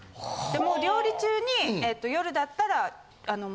もう料理中に夜だったら。